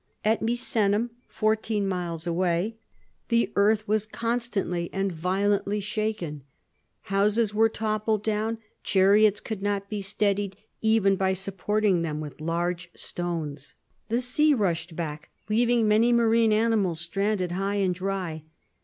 At Misenum, fourteen miles away, the earth was constantly and violently shaken. Houses were toppling down. Chariots could not be steadied, even by supporting them with large stones. The sea rushed back, leaving many marine animals stranded high and dry.